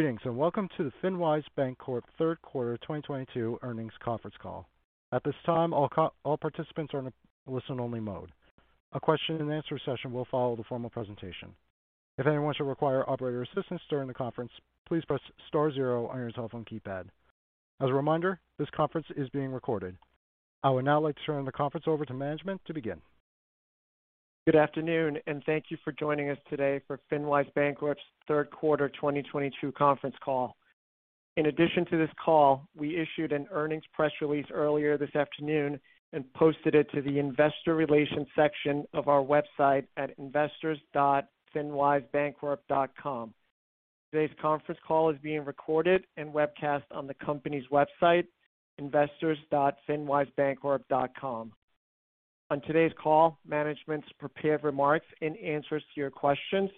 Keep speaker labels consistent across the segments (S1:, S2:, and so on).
S1: Greetings, and welcome to the FinWise Bancorp Third Quarter 2022 Earnings Conference Call. At this time, all participants are in a listen-only mode. A question and answer session will follow the formal presentation. If anyone should require operator assistance during the conference, please press star zero on your telephone keypad. As a reminder, this conference is being recorded. I would now like to turn the conference over to management to begin.
S2: Good afternoon, and thank you for joining us today for FinWise Bancorp's Third Quarter 2022 conference Call. In addition to this call, we issued an earnings press release earlier this afternoon and posted it to the investor relations section of our website at investors.finwisebancorp.com. Today's conference call is being recorded and webcast on the company's website, investors.finwisebancorp.com. On today's call, management's prepared remarks and answers to your questions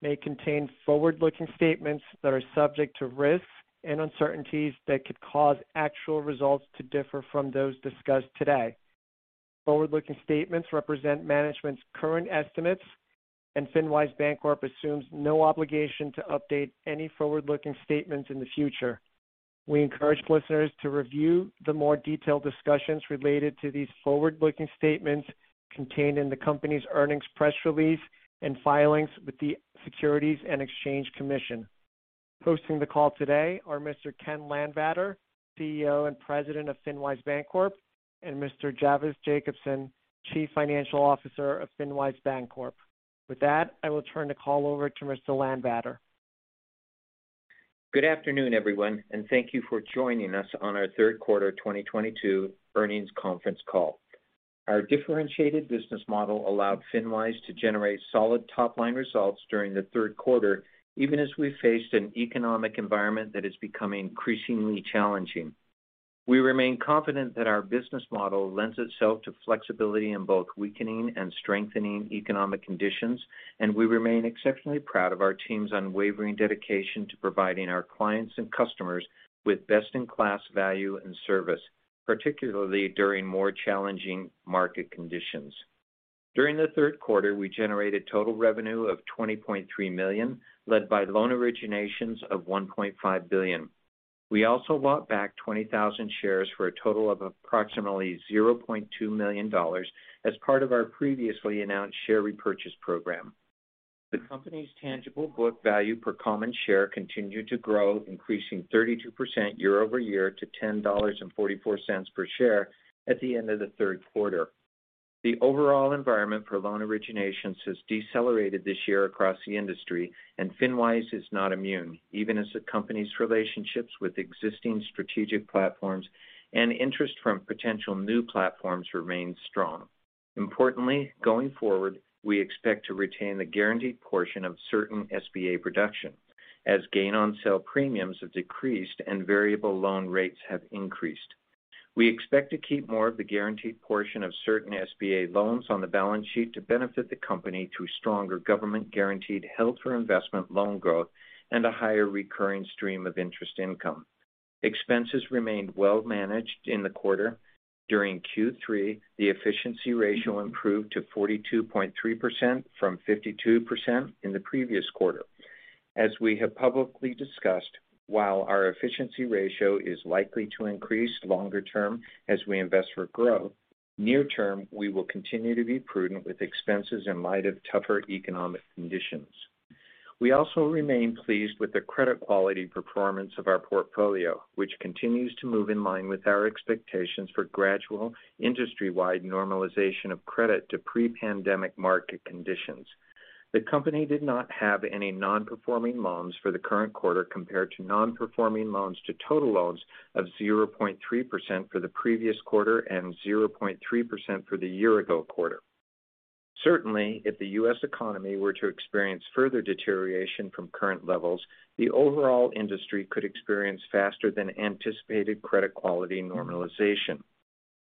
S2: may contain forward-looking statements that are subject to risks and uncertainties that could cause actual results to differ from those discussed today. Forward-looking statements represent management's current estimates, and FinWise Bancorp assumes no obligation to update any forward-looking statements in the future. We encourage listeners to review the more detailed discussions related to these forward-looking statements contained in the company's earnings press release and filings with the Securities and Exchange Commission. Hosting the call today are Mr. Kent Landvatter, CEO and President of FinWise Bancorp, and Mr. Javvis Jacobson, Chief Financial Officer of FinWise Bancorp. With that, I will turn the call over to Mr. Landvatter.
S3: Good afternoon, everyone, and thank you for joining us on our third quarter 2022 earnings conference call. Our differentiated business model allowed FinWise to generate solid top-line results during the third quarter, even as we faced an economic environment that is becoming increasingly challenging. We remain confident that our business model lends itself to flexibility in both weakening and strengthening economic conditions, and we remain exceptionally proud of our team's unwavering dedication to providing our clients and customers with best-in-class value and service, particularly during more challenging market conditions. During the third quarter, we generated total revenue of $20.3 million, led by loan originations of $1.5 billion. We also bought back 20,000 shares for a total of approximately $0.2 million as part of our previously announced share repurchase program. The company's tangible book value per common share continued to grow, increasing 32% year-over-year to $10.44 per share at the end of the third quarter. The overall environment for loan originations has decelerated this year across the industry, and FinWise is not immune, even as the company's relationships with existing strategic platforms and interest from potential new platforms remain strong. Importantly, going forward, we expect to retain the guaranteed portion of certain SBA production as gain on sale premiums have decreased and variable loan rates have increased. We expect to keep more of the guaranteed portion of certain SBA loans on the balance sheet to benefit the company through stronger government-guaranteed held-for-investment loan growth and a higher recurring stream of interest income. Expenses remained well managed in the quarter. During Q3, the efficiency ratio improved to 42.3% from 52% in the previous quarter. As we have publicly discussed, while our efficiency ratio is likely to increase longer term as we invest for growth, near term, we will continue to be prudent with expenses in light of tougher economic conditions. We also remain pleased with the credit quality performance of our portfolio, which continues to move in line with our expectations for gradual industry-wide normalization of credit to pre-pandemic market conditions. The company did not have any non-performing loans for the current quarter compared to non-performing loans to total loans of 0.3% for the previous quarter and 0.3% for the year-ago quarter. Certainly, if the U.S. economy were to experience further deterioration from current levels, the overall industry could experience faster than anticipated credit quality normalization.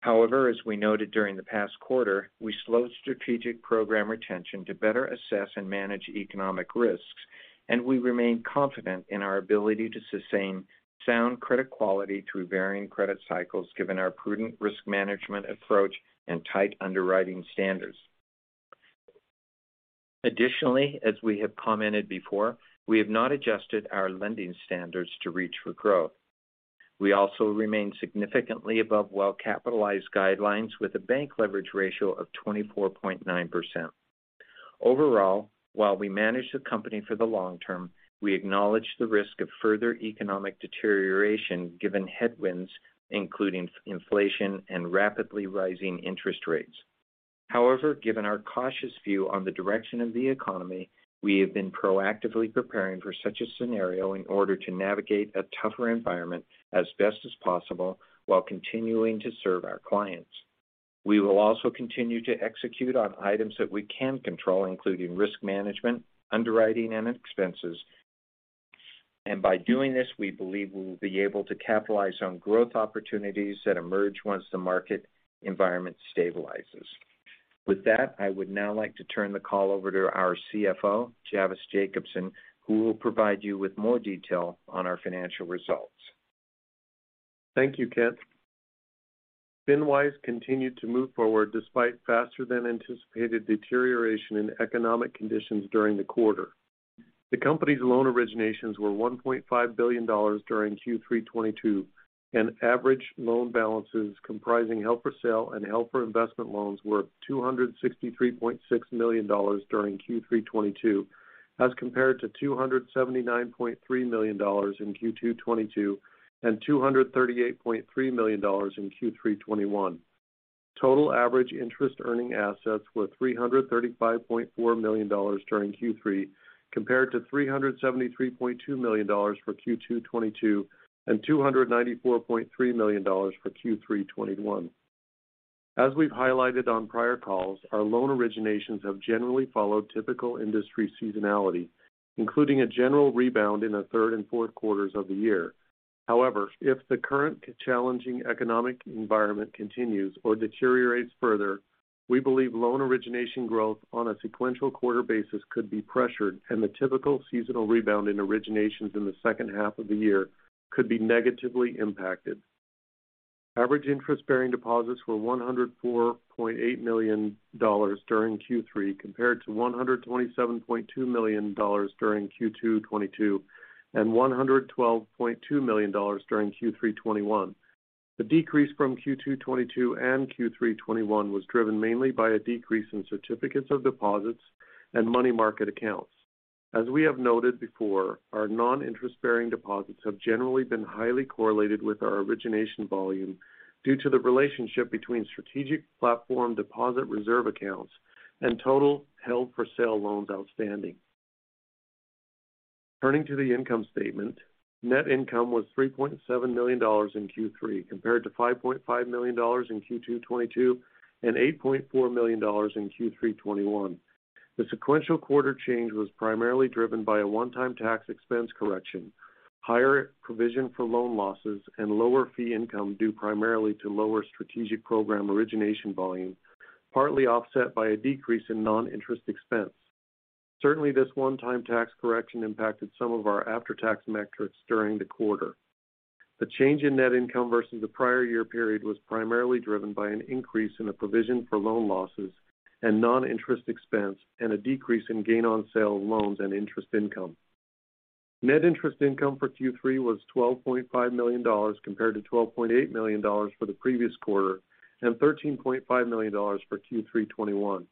S3: However, as we noted during the past quarter, we slowed strategic program retention to better assess and manage economic risks, and we remain confident in our ability to sustain sound credit quality through varying credit cycles given our prudent risk management approach and tight underwriting standards. Additionally, as we have commented before, we have not adjusted our lending standards to reach for growth. We also remain significantly above well-capitalized guidelines with a bank leverage ratio of 24.9%. Overall, while we manage the company for the long term, we acknowledge the risk of further economic deterioration given headwinds including inflation and rapidly rising interest rates. However, given our cautious view on the direction of the economy, we have been proactively preparing for such a scenario in order to navigate a tougher environment as best as possible while continuing to serve our clients. We will also continue to execute on items that we can control including risk management, underwriting, and expenses. By doing this, we believe we will be able to capitalize on growth opportunities that emerge once the market environment stabilizes. With that, I would now like to turn the call over to our CFO, Javvis Jacobson, who will provide you with more detail on our financial results.
S4: Thank you, Kent. FinWise continued to move forward despite faster than anticipated deterioration in economic conditions during the quarter. The company's loan originations were $1.5 billion during Q3 2022, and average loan balances comprising held for sale and held for investment loans were $263.6 million during Q3 2022, as compared to $279.3 million in Q2 2022 and $238.3 million in Q3 2021. Total average interest earning assets were $335.4 million during Q3, compared to $373.2 million for Q2 2022 and $294.3 million for Q3 2021. As we've highlighted on prior calls, our loan originations have generally followed typical industry seasonality, including a general rebound in the third and fourth quarters of the year. However, if the current challenging economic environment continues or deteriorates further, we believe loan origination growth on a sequential quarter basis could be pressured and the typical seasonal rebound in originations in the second half of the year could be negatively impacted. Average interest-bearing deposits were $104.8 million during Q3, compared to $127.2 million during Q2 2022 and $112.2 million during Q3 2021. The decrease from Q2 2022 and Q3 2021 was driven mainly by a decrease in certificates of deposit and money market accounts. As we have noted before, our non-interest-bearing deposits have generally been highly correlated with our origination volume due to the relationship between strategic platform deposit reserve accounts and total held-for-sale loans outstanding. Turning to the income statement, net income was $3.7 million in Q3 compared to $5.5 million in Q2 2022 and $8.4 million in Q3 2021. The sequential quarter change was primarily driven by a one-time tax expense correction, higher provision for loan losses, and lower fee income due primarily to lower strategic program origination volume, partly offset by a decrease in non-interest expense. Certainly, this one-time tax correction impacted some of our after-tax metrics during the quarter. The change in net income versus the prior year period was primarily driven by an increase in the provision for loan losses and non-interest expense and a decrease in gain on sale of loans and interest income. Net interest income for Q3 was $12.5 million compared to $12.8 million for the previous quarter and $13.5 million for Q3 2021.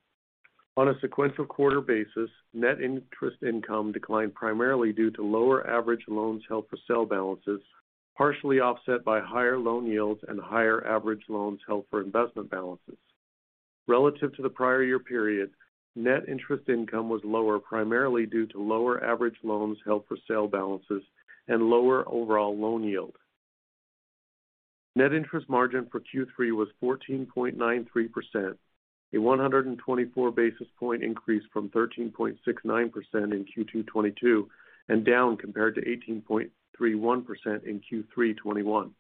S4: On a sequential quarter basis, net interest income declined primarily due to lower average loans held for sale balances, partially offset by higher loan yields and higher average loans held for investment balances. Relative to the prior year period, net interest income was lower primarily due to lower average loans held for sale balances and lower overall loan yield. Net interest margin for Q3 was 14.93%, a 124 basis point increase from 13.69% in Q2 2022 and down compared to 18.31% in Q3 2021.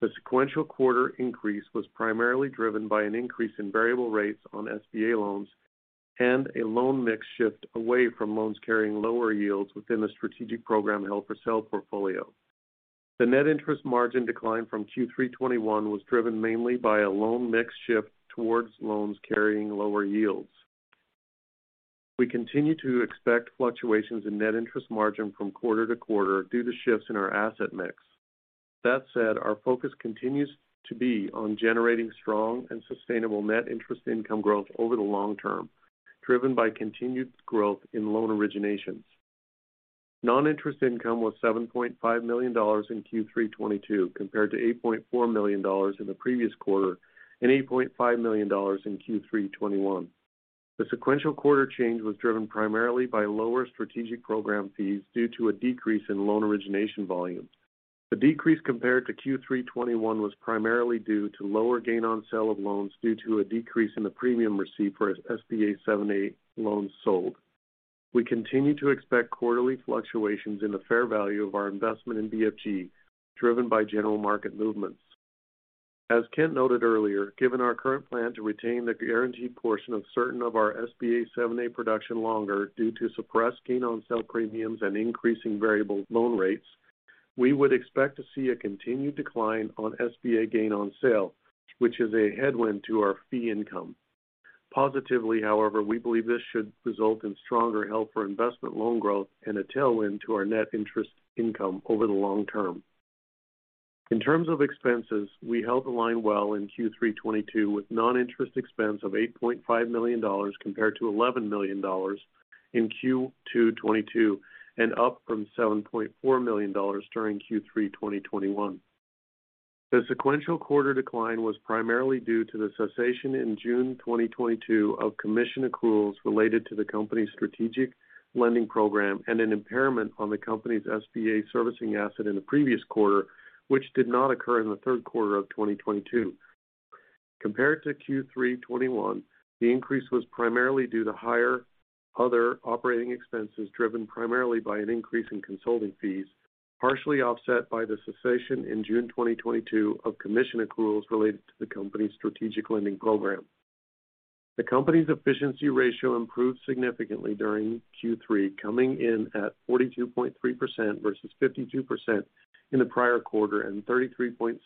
S4: The sequential quarter increase was primarily driven by an increase in variable rates on SBA loans and a loan mix shift away from loans carrying lower yields within the strategic program held for sale portfolio. The net interest margin decline from Q3 2021 was driven mainly by a loan mix shift towards loans carrying lower yields. We continue to expect fluctuations in net interest margin from quarter to quarter due to shifts in our asset mix. That said, our focus continues to be on generating strong and sustainable net interest income growth over the long term, driven by continued growth in loan originations. Non-interest income was $7.5 million in Q3 2022, compared to $8.4 million in the previous quarter and $8.5 million in Q3 2021. The sequential quarter change was driven primarily by lower strategic program fees due to a decrease in loan origination volumes. The decrease compared to Q3 2021 was primarily due to lower gain on sale of loans due to a decrease in the premium received for SBA 7(a) loans sold. We continue to expect quarterly fluctuations in the fair value of our investment in BFG, driven by general market movements. As Kent noted earlier, given our current plan to retain the guaranteed portion of certain of our SBA 7(a) production longer due to suppressed gain on sale premiums and increasing variable loan rates, we would expect to see a continued decline in SBA gain on sale, which is a headwind to our fee income. Positively, however, we believe this should result in stronger held for investment loan growth and a tailwind to our net interest income over the long term. In terms of expenses, we held the line well in Q3 2022 with non-interest expense of $8.5 million compared to $11 million in Q2 2022 and up from $7.4 million during Q3 2021. The sequential quarter decline was primarily due to the cessation in June 2022 of commission accruals related to the company's strategic lending program and an impairment on the company's SBA servicing asset in the previous quarter, which did not occur in the third quarter of 2022. Compared to Q3 2021, the increase was primarily due to higher other operating expenses driven primarily by an increase in consulting fees, partially offset by the cessation in June 2022 of commission accruals related to the company's strategic lending program. The company's efficiency ratio improved significantly during Q3, coming in at 42.3% versus 52% in the prior quarter and 33.7%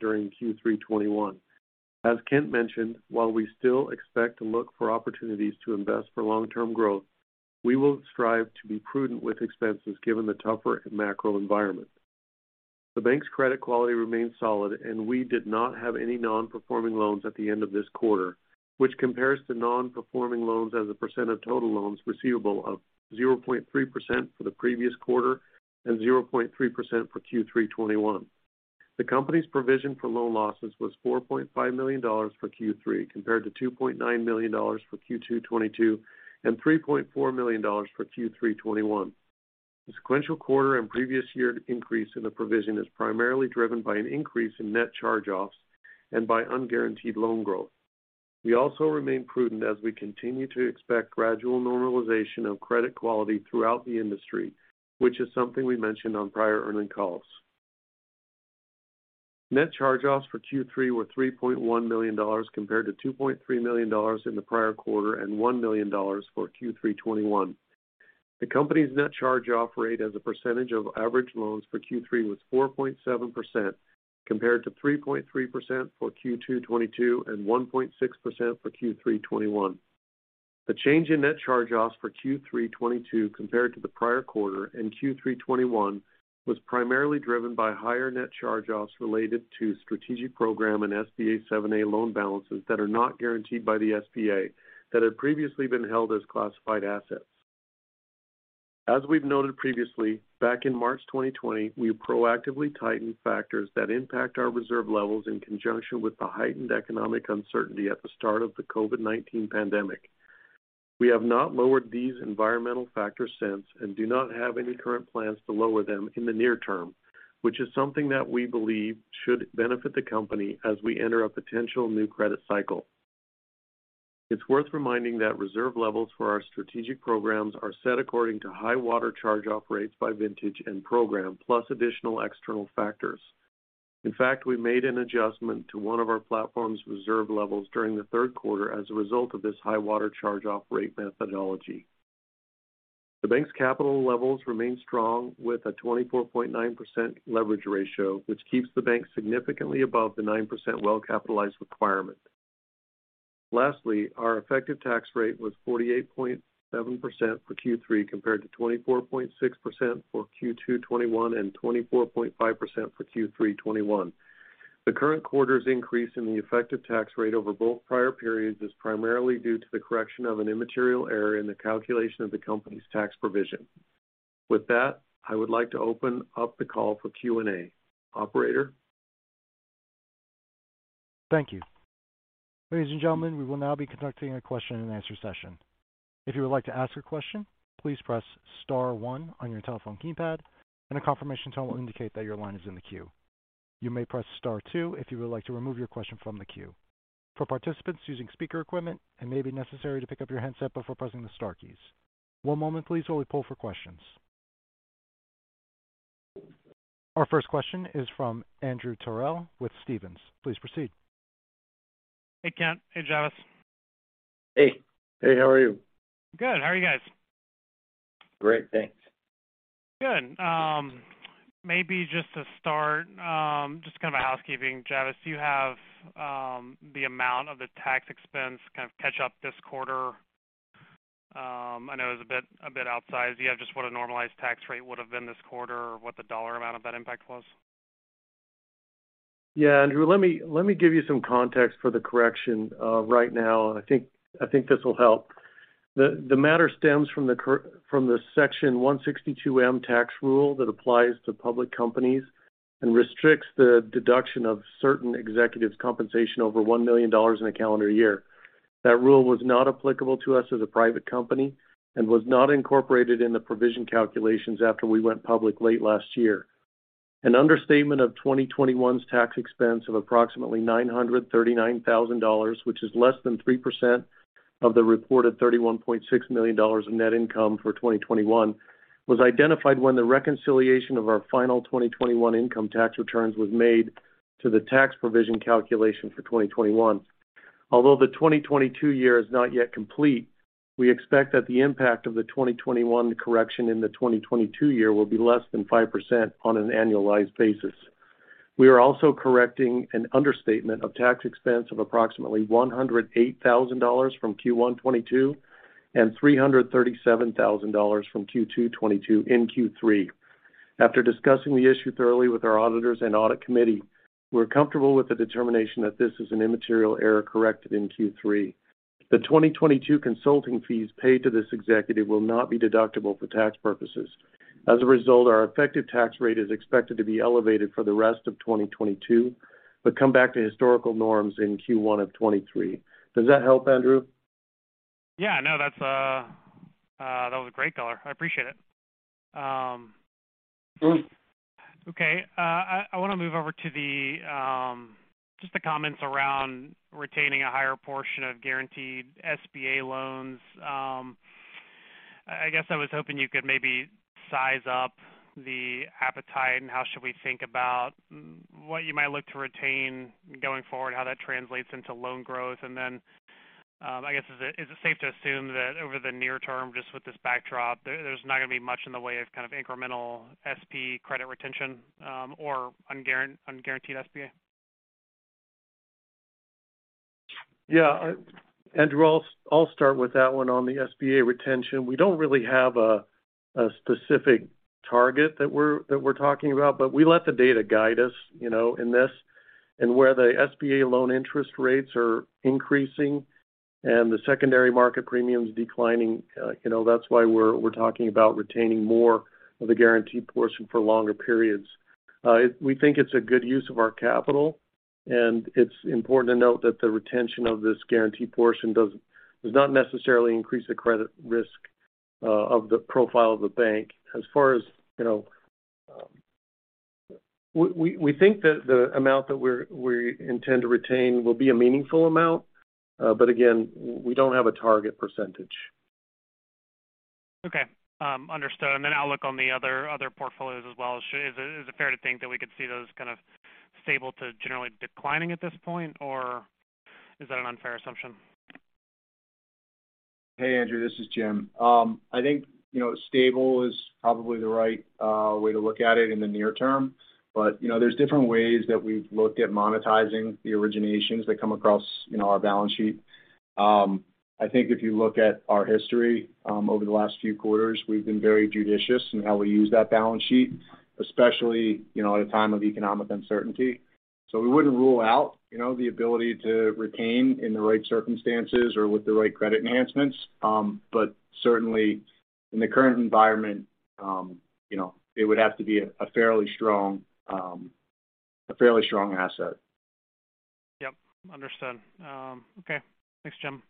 S4: during Q3 2021. As Kent mentioned, while we still expect to look for opportunities to invest for long-term growth, we will strive to be prudent with expenses given the tougher macro environment. The bank's credit quality remains solid, and we did not have any non-performing loans at the end of this quarter, which compares to non-performing loans as a percent of total loans receivable of 0.3% for the previous quarter and 0.3% for Q3 2021. The company's provision for loan losses was $4.5 million for Q3, compared to $2.9 million for Q2 2022 and $3.4 million for Q3 2021. The sequential quarter and previous year increase in the provision is primarily driven by an increase in net charge-offs and by unguaranteed loan growth. We also remain prudent as we continue to expect gradual normalization of credit quality throughout the industry, which is something we mentioned on prior earnings calls. Net charge-offs for Q3 were $3.1 million, compared to $2.3 million in the prior quarter and $1 million for Q3 2021. The company's net charge-off rate as a percentage of average loans for Q3 was 4.7% compared to 3.3% for Q2 2022 and 1.6% for Q3 2021. The change in net charge-offs for Q3 2022 compared to the prior quarter and Q3 2021 was primarily driven by higher net charge-offs related to strategic program and SBA 7(a) loan balances that are not guaranteed by the SBA that had previously been held as classified assets. We've noted previously, back in March 2020, we proactively tightened factors that impact our reserve levels in conjunction with the heightened economic uncertainty at the start of the COVID-19 pandemic. We have not lowered these environmental factors since and do not have any current plans to lower them in the near term, which is something that we believe should benefit the company as we enter a potential new credit cycle. It's worth reminding that reserve levels for our strategic programs are set according to high water charge-off rates by vintage and program, plus additional external factors. In fact, we made an adjustment to one of our platform's reserve levels during the third quarter as a result of this high water charge-off rate methodology. The bank's capital levels remain strong with a 24.9% leverage ratio, which keeps the bank significantly above the 9% well-capitalized requirement. Lastly, our effective tax rate was 48.7% for Q3 compared to 24.6% for Q2 2021 and 24.5% for Q3 2021. The current quarter's increase in the effective tax rate over both prior periods is primarily due to the correction of an immaterial error in the calculation of the company's tax provision. With that, I would like to open up the call for Q&A. Operator?
S1: Thank you. Ladies and gentlemen, we will now be conducting a question-and-answer session. If you would like to ask a question, please press star one on your telephone keypad and a confirmation tone will indicate that your line is in the queue. You may press star two if you would like to remove your question from the queue. For participants using speaker equipment, it may be necessary to pick up your handset before pressing the star keys. One moment please, while we poll for questions. Our first question is from Andrew Terrell with Stephens. Please proceed.
S5: Hey, Kent. Hey, Javvis.
S4: Hey.
S3: Hey, how are you?
S5: Good. How are you guys?
S4: Great, thanks.
S5: Good. Maybe just to start, just kind of a housekeeping. Javvis, do you have the amount of the tax expense kind of catch up this quarter? I know it was a bit outsized. Do you have just what a normalized tax rate would have been this quarter or what the dollar amount of that impact was?
S4: Yeah. Andrew, let me give you some context for the correction right now. I think this will help. The matter stems from the Section 162(m) tax rule that applies to public companies and restricts the deduction of certain executive compensation over $1 million in a calendar year. That rule was not applicable to us as a private company and was not incorporated in the provision calculations after we went public late last year. An understatement of 2021's tax expense of approximately $939,000, which is less than 3% of the reported $31.6 million in net income for 2021, was identified when the reconciliation of our final 2021 income tax returns was made to the tax provision calculation for 2021. Although the 2022 year is not yet complete, we expect that the impact of the 2021 correction in the 2022 year will be less than 5% on an annualized basis. We are also correcting an understatement of tax expense of approximately $108,000 from Q1 2022 and $337,000 from Q2 2022 in Q3. After discussing the issue thoroughly with our auditors and audit committee, we're comfortable with the determination that this is an immaterial error corrected in Q3. The 2022 consulting fees paid to this executive will not be deductible for tax purposes. As a result, our effective tax rate is expected to be elevated for the rest of 2022, but come back to historical norms in Q1 of 2023. Does that help, Andrew?
S5: Yeah, no, that was a great call. I appreciate it.
S4: Mm-hmm.
S5: Okay. I wanna move over to just the comments around retaining a higher portion of guaranteed SBA loans. I guess I was hoping you could maybe size up the appetite and how should we think about what you might look to retain going forward, how that translates into loan growth. I guess, is it safe to assume that over the near term, just with this backdrop, there's not gonna be much in the way of kind of incremental SP credit retention, or unguaranteed SBA?
S4: Yeah. Andrew, I'll start with that one. On the SBA retention, we don't really have a specific target that we're talking about, but we let the data guide us, you know, in this. Where the SBA loan interest rates are increasing and the secondary market premium's declining, you know, that's why we're talking about retaining more of the guaranteed portion for longer periods. We think it's a good use of our capital, and it's important to note that the retention of this guarantee portion does not necessarily increase the credit risk of the profile of the bank. As far as, you know, we think that the amount that we intend to retain will be a meaningful amount. But again, we don't have a target percentage.
S5: Okay. Understood. Outlook on the other portfolios as well. Is it fair to think that we could see those kind stable to generally declining at this point, or is that an unfair assumption?
S6: Hey, Andrew, this is Jim. I think you know stable is probably the right way to look at it in the near term. You know, there's different ways that we've looked at monetizing the originations that come across you know our balance sheet. I think if you look at our history over the last few quarters, we've been very judicious in how we use that balance sheet, especially you know at a time of economic uncertainty. We wouldn't rule out you know the ability to retain in the right circumstances or with the right credit enhancements. Certainly in the current environment you know it would have to be a fairly strong asset.
S5: Yep. Understood. Okay. Thanks, Jim.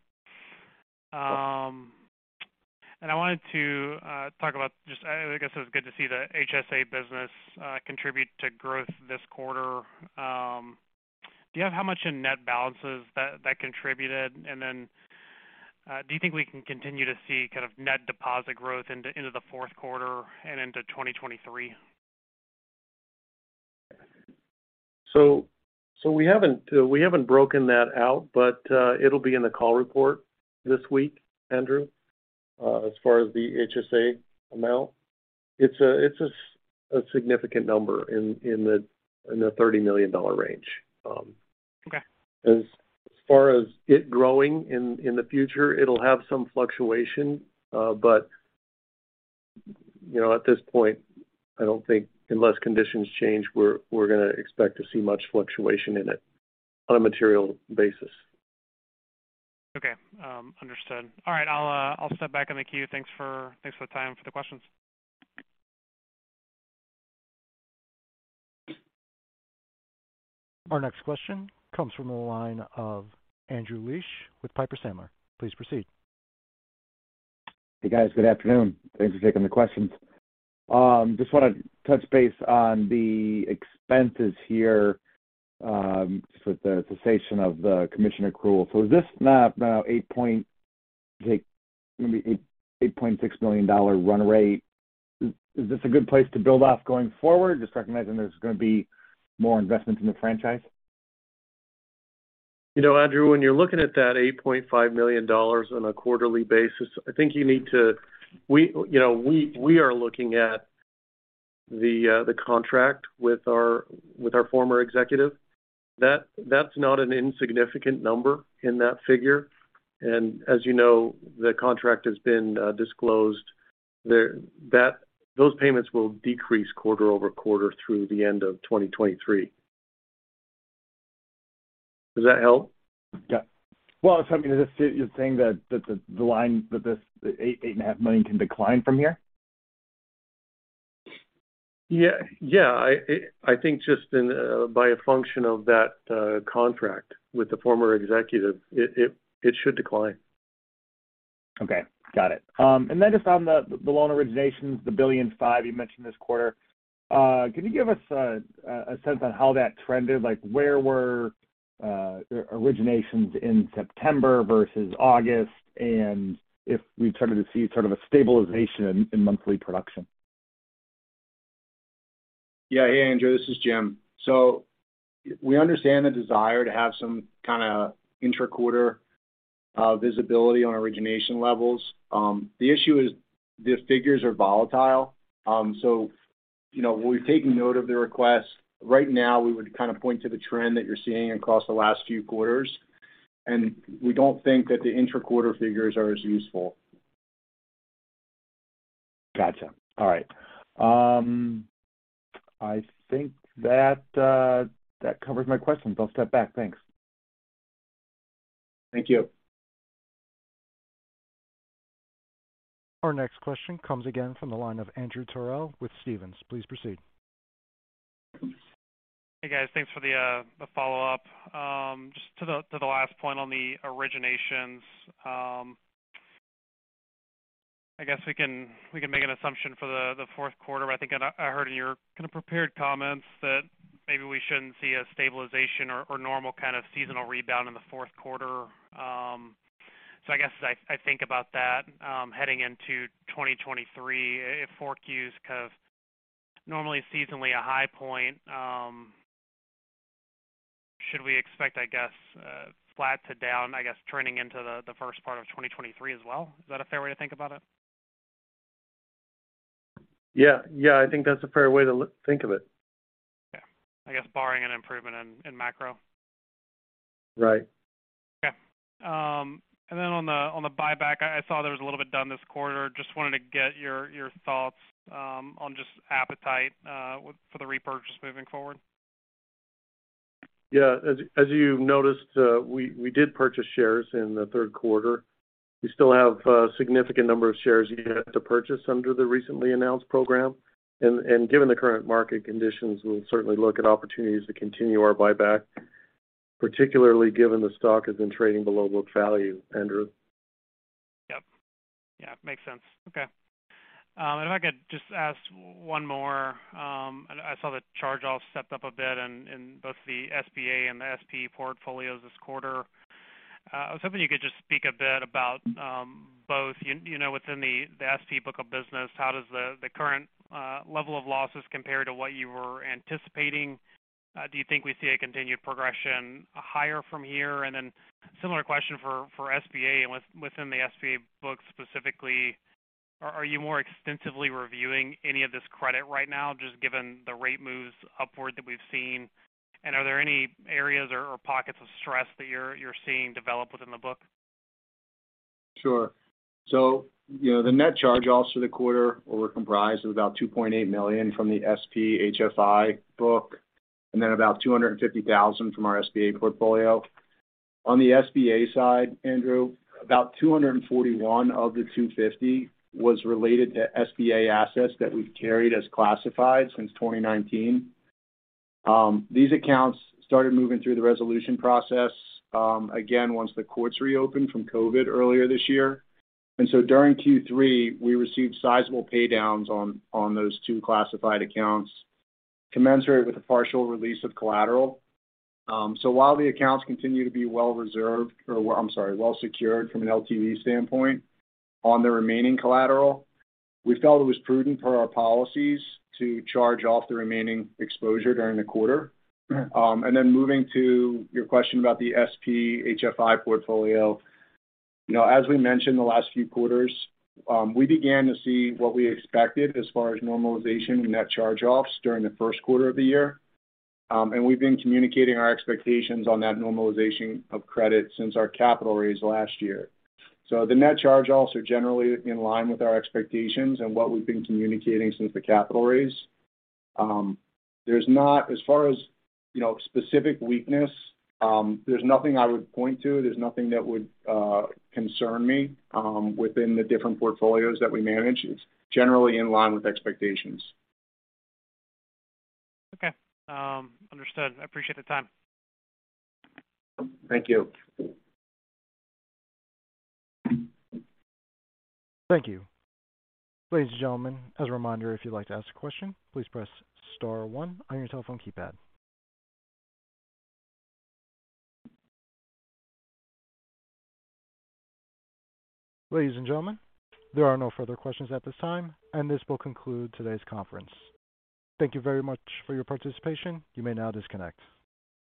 S5: I wanted to talk about just I guess it was good to see the HSA business contribute to growth this quarter. Do you have how much in net balances that contributed? Do you think we can continue to see kind of net deposit growth into the fourth quarter and into 2023?
S4: We haven't broken that out, but it'll be in the call report this week, Andrew. As far as the HSA amount, it's a significant number in the $30 million range.
S5: Okay.
S4: As far as it growing in the future, it'll have some fluctuation. You know, at this point, I don't think unless conditions change, we're gonna expect to see much fluctuation in it on a material basis.
S5: Okay. Understood. All right. I'll step back in the queue. Thanks for the time for the questions.
S1: Our next question comes from the line of Andrew Liesch with Piper Sandler. Please proceed.
S7: Hey, guys. Good afternoon. Thanks for taking the questions. Just wanna touch base on the expenses here, with the cessation of the commission accrual. Is this now, I think maybe $8.6 million run rate? Is this a good place to build off going forward, just recognizing there's gonna be more investment in the franchise?
S4: You know, Andrew, when you're looking at that $8.5 million on a quarterly basis, I think you need to. You know, we are looking at the contract with our former executive. That's not an insignificant number in that figure. As you know, the contract has been disclosed there. Those payments will decrease quarter over quarter through the end of 2023. Does that help?
S7: Yeah. Well, I mean, is this? You're saying that the line that this $8.5 million can decline from here?
S4: Yeah, yeah. I think just in, by a function of that, contract with the former executive, it should decline.
S7: Okay. Got it. Just on the loan originations, the $1.5 billion you mentioned this quarter. Can you give us a sense on how that trended? Like, where were originations in September versus August? If we started to see sort of a stabilization in monthly production?
S6: Yeah. Hey, Andrew, this is Jim. We understand the desire to have some kinda intra-quarter visibility on origination levels. The issue is the figures are volatile. You know, we've taken note of the request. Right now, we would kind of point to the trend that you're seeing across the last few quarters, and we don't think that the intra-quarter figures are as useful.
S7: Gotcha. All right. I think that covers my questions. I'll step back. Thanks.
S6: Thank you.
S1: Our next question comes again from the line of Andrew Terrell with Stephens. Please proceed.
S5: Hey, guys. Thanks for the follow-up. Just to the last point on the originations. I guess we can make an assumption for the fourth quarter. I think I heard in your kind of prepared comments that maybe we shouldn't see a stabilization or normal kind of seasonal rebound in the fourth quarter. I guess I think about that, heading into 2023, if 4Q is kind of normally seasonally a high point, should we expect, I guess, flat to down, I guess, trending into the first part of 2023 as well? Is that a fair way to think about it?
S6: Yeah. Yeah. I think that's a fair way to think of it.
S5: Yeah. I guess barring an improvement in macro.
S6: Right.
S5: Okay. On the buyback, I saw there was a little bit done this quarter. Just wanted to get your thoughts on just appetite for the repurchase moving forward.
S4: Yeah. As you noticed, we did purchase shares in the third quarter. We still have a significant number of shares yet to purchase under the recently announced program. Given the current market conditions, we'll certainly look at opportunities to continue our buyback, particularly given the stock has been trading below book value, Andrew.
S5: Yep. Yeah, makes sense. Okay. If I could just ask one more. I saw the charge-off stepped up a bit in both the SBA and the SP portfolios this quarter. I was hoping you could just speak a bit about both, you know, within the SP book of business, how does the current level of losses compare to what you were anticipating? Do you think we see a continued progression higher from here? Similar question for SBA and within the SBA books specifically, are you more extensively reviewing any of this credit right now, just given the rate moves upward that we've seen? Are there any areas or pockets of stress that you're seeing develop within the book?
S6: Sure. You know, the net charge-offs for the quarter were comprised of about $2.8 million from the SP HFI book, and then about $250,000 from our SBA portfolio. On the SBA side, Andrew, about 241 of the 250 was related to SBA assets that we've carried as classified since 2019. These accounts started moving through the resolution process again once the courts reopened from COVID earlier this year. During Q3, we received sizable pay downs on those two classified accounts, commensurate with the partial release of collateral. While the accounts continue to be well secured from an LTV standpoint on the remaining collateral, we felt it was prudent for our policies to charge off the remaining exposure during the quarter. Moving to your question about the SP HFI portfolio. You know, as we mentioned the last few quarters, we began to see what we expected as far as normalization in net charge-offs during the first quarter of the year. We've been communicating our expectations on that normalization of credit since our capital raise last year. The net charge-offs are generally in line with our expectations and what we've been communicating since the capital raise. As far as, you know, specific weakness, there's nothing I would point to. There's nothing that would concern me within the different portfolios that we manage. It's generally in line with expectations.
S5: Okay. Understood. I appreciate the time.
S6: Thank you.
S1: Thank you. Ladies and gentlemen, as a reminder, if you'd like to ask a question, please press star one on your telephone keypad. Ladies and gentlemen, there are no further questions at this time, and this will conclude today's conference. Thank you very much for your participation. You may now disconnect.